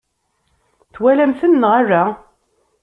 Twalam-ten neɣ ala?